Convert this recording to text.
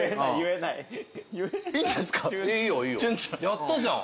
やったじゃん。